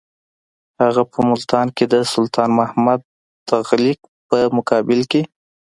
هغه په ملتان کې د سلطان محمد تغلق په مقابل کې.